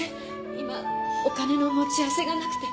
今お金の持ち合わせがなくて。